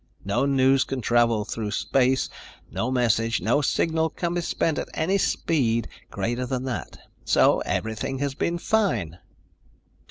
No news can travel through space, no message, no signal can be sent at any speed greater than that. So everything has been fine."